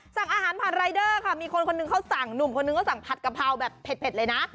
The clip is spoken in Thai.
สั่งอาหารผ่านรายเดอร์ค่ะมีคนคนหนึ่งเขาสั่งหนุ่มคนนึงเขาสั่งผัดกะเพราแบบเผ็ดเลยนะ